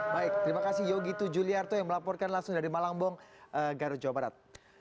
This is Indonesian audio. baik terima kasih yogi tujuliarto yang melaporkan langsung dari malangbong garut jawa barat